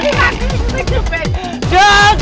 aku dikasih nek jog nek